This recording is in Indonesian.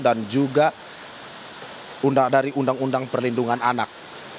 juga dari undang undang perlindungan anak